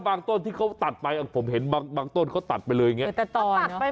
บางต้นเขาขุดไปบางต้นเขาตัดไปเลยอ่ะ